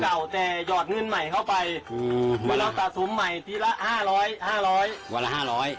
จากสงครานมาผมกลัวเงินไม่พอซื้อบ้าน